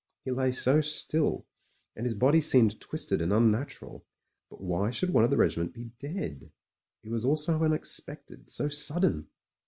He lay so still, and his body seemed twisted and un natural. But why should one of the regiment be dead ; it was all so unexpected, so sudden?